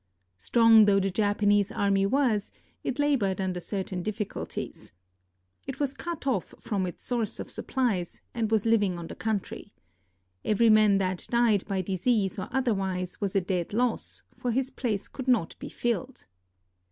Strong though the Japanese army was, it labored under certain difiiculties. It was cut off from its source of supplies, and was living on the country. Every man 269 KOREA that died by disease or otherwise was a dead loss, for his place could not be filled.